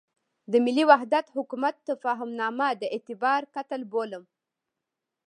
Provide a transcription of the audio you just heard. د ملي وحدت حکومت تفاهمنامه د اعتبار قتل بولم.